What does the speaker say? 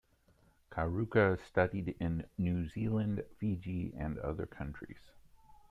Kauraka studied in New Zealand, Fiji and other countries.